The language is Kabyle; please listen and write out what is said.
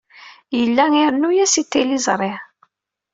Yella irennu-as i tliẓri.